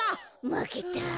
まけた。